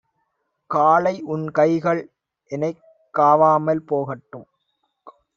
காளைஉன் கைகள்எனைக் காவாமல் போகட்டும்